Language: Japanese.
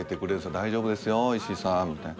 「大丈夫ですよ石井さん」みたいな。